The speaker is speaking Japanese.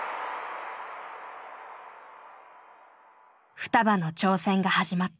ふたばの挑戦が始まった。